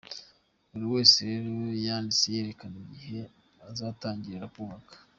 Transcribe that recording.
Buri wese rero yanditse yerekana igihe azatangirira kubaka.